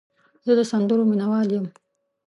زه د سندرو مینه وال یم.